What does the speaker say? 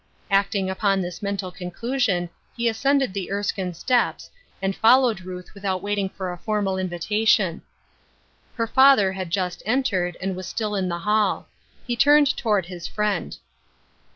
Acting upon this mental conclusion, he ascended the Erskine steps, and followed Ruth without waiting for a formal invitation. Her father had just entered, and was still in the hall. He turned toward his friend.